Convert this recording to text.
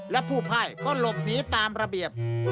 และผู้ไพ่ก็หลบหนีตามระเบียบ